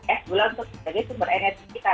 es gula untuk sebagai sumber energi kita